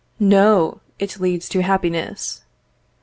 No, it leads to happiness.